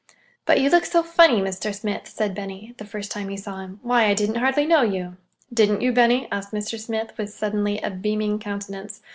"But you look so funny, Mr. Smith," said Benny, the first time he saw him. "Why, I didn't hardly know you!" "Didn't you, Benny?" asked Mr. Smith, with suddenly a beaming countenance.